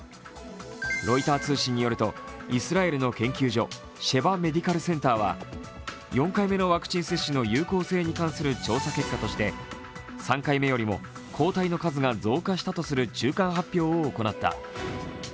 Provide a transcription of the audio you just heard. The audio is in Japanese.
ロイター通信によるとイスラエルの研究所シェバ・メディカルセンターは４回目のワクチン接種の有効性に関する調査結果として、３回目よりも抗体の数が増加したとする中間発表を行った。